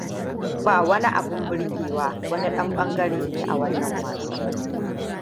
Ba wani abin burgewa. Wani ɗan ɓangarene a wannan wasan.